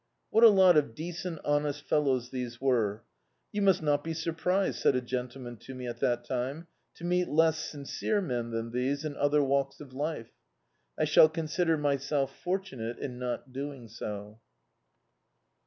What a lot of decent, honest fellows these were: "You must not be sur prised," said a gentleman to me, at that time, "to meet less sincere men than these in other walks of life." I shall consider myself fortunate in not doing so.